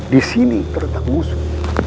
di sini terdapat musuh